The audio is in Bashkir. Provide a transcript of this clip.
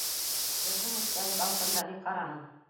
Беҙҙең өҫтәге балконда ни ҡараның?